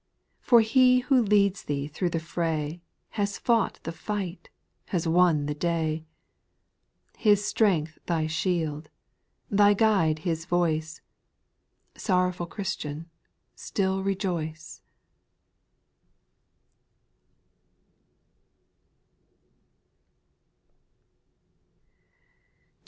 For He who leads thee through the fray, lias fought the fight — has won the day ; His strength thy shield, thy guide His voice^ Sorrowful Christian, still rejoice.